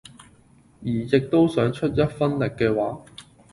而亦都想出一分力嘅話